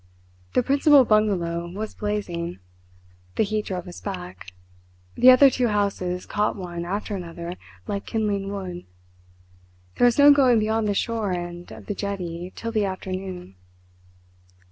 The principal bungalow was blazing. The heat drove us back. The other two houses caught one after another like kindling wood. There was no going beyond the shore end of the jetty till the afternoon."